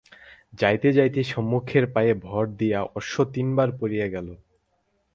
যাইতে যাইতে সম্মুখের পায়ে ভর দিয়া অশ্ব তিনবার পড়িয়া গেল।